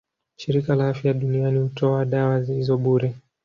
Shirika la Afya Duniani hutoa dawa hizo bure.